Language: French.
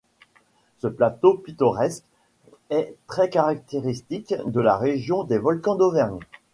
Ce plateau pittoresque est très caractéristique de la région des volcans d'Auvergne.